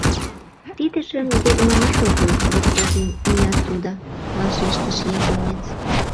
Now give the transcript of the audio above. — Тидыжым йодманат огыл, господин Миасуда, — вашештыш японец.